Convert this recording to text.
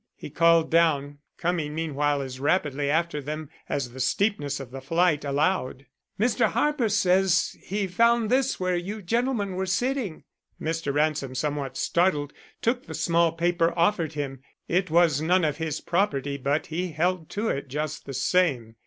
he called down, coming meanwhile as rapidly after them as the steepness of the flight allowed. "Mr. Harper says, he found this where you gentlemen were sitting." Mr. Ransom, somewhat startled, took the small paper offered him. It was none of his property but he held to it just the same.